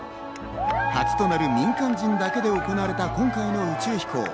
初となる民間人だけで行われた今回の宇宙飛行。